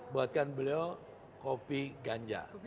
buatkan beliau kopi ganja